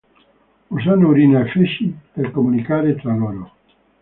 Usano urina e feci per comunicare tra loro.